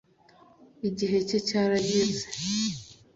igihe cye cyarageze